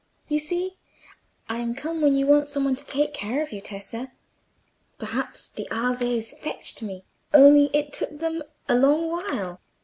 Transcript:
"You see I come when you want some one to take care of you, Tessa. Perhaps the Aves fetched me, only it took them a long while.